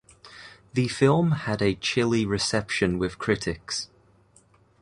The film had a chilly reception with critics.